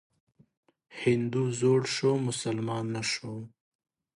هندو زوړ شو مسلمان نه شو.